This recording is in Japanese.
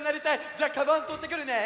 じゃあカバンとってくるね！